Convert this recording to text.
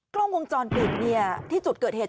กล้องวงจรปิดที่จุดเกิดเหตุ